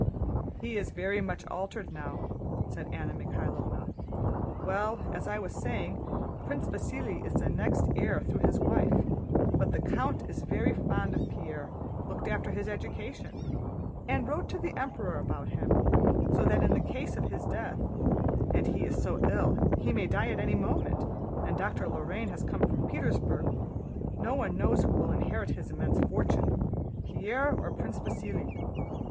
"He is very much altered now," said Anna Mikháylovna. "Well, as I was saying, Prince Vasíli is the next heir through his wife, but the count is very fond of Pierre, looked after his education, and wrote to the Emperor about him; so that in the case of his death—and he is so ill that he may die at any moment, and Dr. Lorrain has come from Petersburg—no one knows who will inherit his immense fortune, Pierre or Prince Vasíli.